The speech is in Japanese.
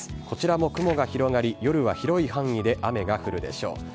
こちらも雲が広がり、夜は広い範囲で雨が降るでしょう。